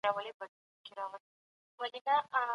غیرت د هرې معتبرې کورنۍ د پېژندنې نښان دی.